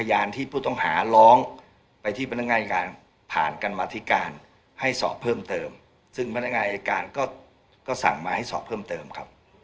อย่างในพิจารณ์ของนักเรียกเป็นคนคือในบ้านหรือว่าคุณต้องทำอย่างอีก